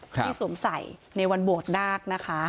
ที่สวมใส่ในวันโบดนาคนะคะ